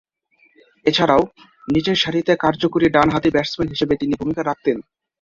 এছাড়াও, নিচেরসারিতে কার্যকরী ডানহাতি ব্যাটসম্যান হিসেবে ভূমিকা রাখতেন তিনি।